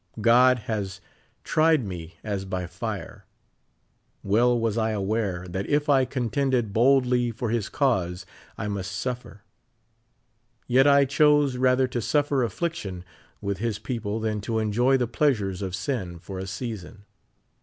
God has tried me as by fire. Well was I aware that if I contended boldly for his cause I must suffer. Yet I chose rather to suffer affliction with his people than to enjoy the pleasures of sin for a season.